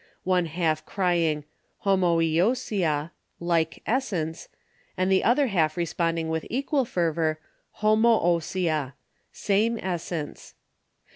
3 one half crying "Homoiousia" (like essence), aixl the other half resi^onding with equal fervor, " Ilonioousia" (same es sence).